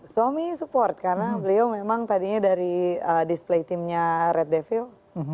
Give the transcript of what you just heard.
suami support karena beliau memang tadinya dari display teamnya red deville